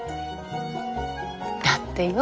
だってよ？